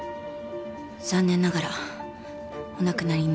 残念ながらお亡くなりになりました。